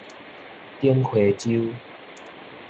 頂溪洲